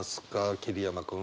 桐山君。